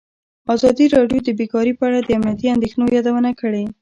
ازادي راډیو د بیکاري په اړه د امنیتي اندېښنو یادونه کړې.